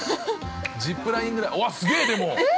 ジップラインぐらいうわっ、すげえ、でも！